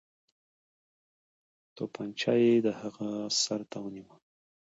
توپنچه یې د هغه سر ته ونیوله.